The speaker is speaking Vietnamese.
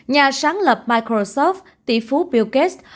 nhà sáng lập microsoft tỷ phú bill gates